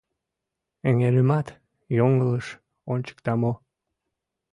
— Эҥерымат йоҥылыш ончыкта мо?